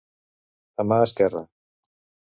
A mà esquerra.